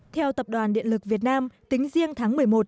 theo tập đoàn điện lực việt nam tính riêng tháng một mươi một